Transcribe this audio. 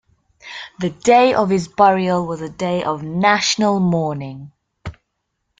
The day of his burial was a day of national mourning.